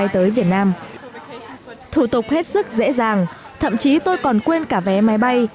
thủ tục hết sức dễ dàng thậm chí tôi còn quên cả vé máy bay